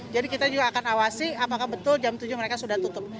jadi kita juga akan awasi apakah betul jam tujuh mereka sudah tutup